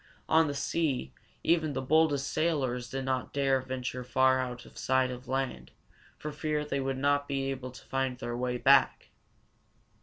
On the sea, even the boldest sailors did not dare venture far out of sight of land, for fear they would not be able to find their way back.